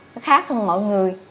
nó khác hơn mọi người